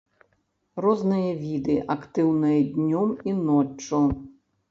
Розныя віды актыўныя днём і ноччу.